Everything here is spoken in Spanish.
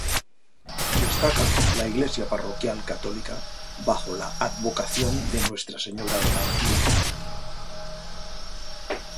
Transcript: Destaca la Iglesia parroquial católica bajo la advocación de Nuestra Señora de la Antigua.